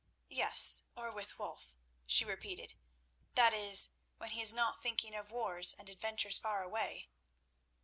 "Yes; or with Wulf," she repeated; "that is, when he is not thinking of wars and adventures far away."